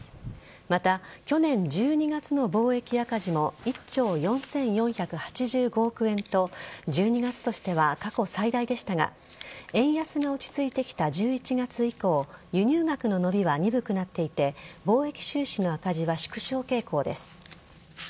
また、去年１２月の貿易赤字も１兆４４８５億円と１２月としては過去最大でしたが円安が落ち着いてきた１１月以降輸入額の伸びは鈍くなっていて貿易収支の赤字は縮小傾向です。